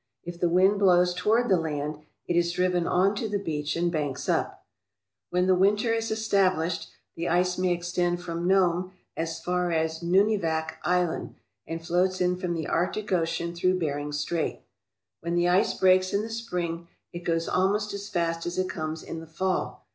If the wind blows toward the land, it is driven on to the beach and banks up. When the winter is established the ice may extend from Nome as far as Nun ivak Island, and floats in from the Arctic Ocean through Bering Strait. When the ice breaks in the spring it goes almost as fast as it comes in the fall.